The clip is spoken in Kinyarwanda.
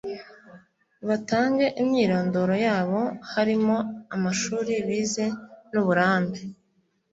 batange imyirondoro yabo harimo amashuri bize n' uburambe